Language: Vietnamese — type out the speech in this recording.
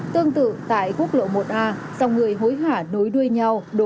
tương tự tại quốc lộ một a dòng người hối hả nối đuôi nhau